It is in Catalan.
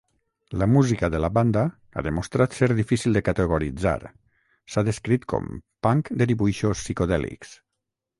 La música de la banda ha demostrat ser difícil de categoritzar, s'ha descrit com "punk de dibuixos psicodèlics".